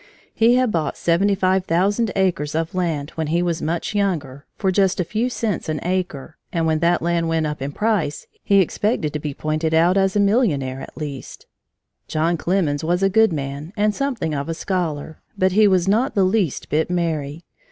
He had bought seventy five thousand acres of land when he was much younger, for just a few cents an acre, and when that land went up in price, he expected to be pointed out as a millionaire, at least. John Clemens was a good man and something of a scholar, but he was not the least bit merry.